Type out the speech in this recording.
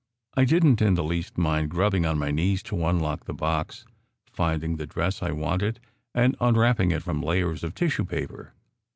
I didn t in the least mind grubbing on my knees to unlock the box, finding the dress I wanted, and un wrapping it from layers of tissue paper.